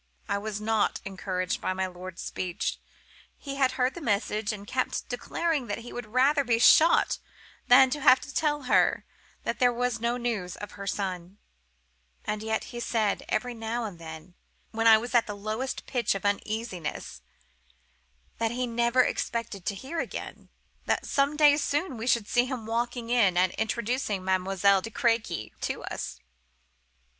I was not encouraged by my lord's speeches. He had heard the message, and kept declaring that he would rather be shot than have to tell her that there was no news of her son; and yet he said, every now and then, when I was at the lowest pitch of uneasiness, that he never expected to hear again: that some day soon we should see him walking in and introducing Mademoiselle de Crequy to us.